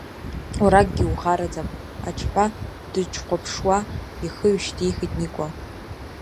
Уара акгьы ухараӡам, аҽҳәа дыҽхәаԥшуа, ихы ҩышьҭихит Никәа.